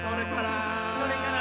「それから」